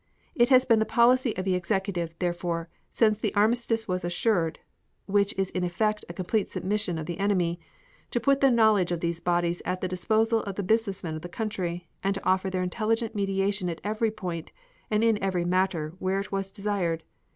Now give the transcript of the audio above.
It has been the policy of the Executive, therefore, since the armistice was assured (which is in effect a complete submission of the enemy) to put the knowledge of these bodies at the disposal of the businessmen of the country and to offer their intelligent mediation at every point and in every matter where it was desired.